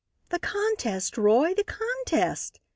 "The contest, Roy! The contest!"